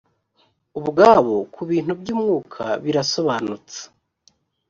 ubwabo ku bintu by’umwuka birasobanutse